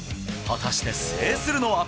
果たして制するのは？